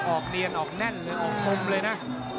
ออกเนียนออกแน่นเลยออกคมเลยนะ